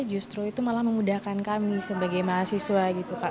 ternyata justru itu malah memudahkan kami sebagai mahasiswa gitu kak